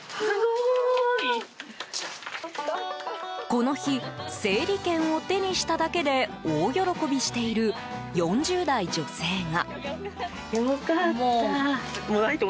この日整理券を手にしただけで大喜びしている４０代女性が。